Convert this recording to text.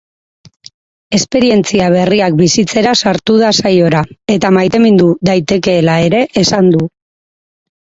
Esperientzia berriak bizitzera sartu da saiora, eta maitemindu daitekeela ere esan du.